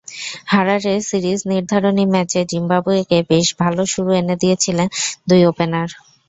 হারারের series নির্ধারণী ম্যাচে জিম্বাবুয়েকে বেশ ভালো শুরু এনে দিয়েছিলেন দুই ওপেনার।